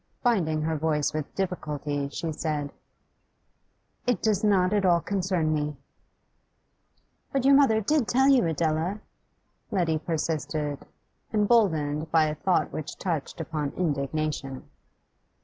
Binding her voice with difficulty, she said: 'It does not at all concern me.' 'But your mother did tell you, Adela?' Letty persisted, emboldened by a thought which touched upon indignation.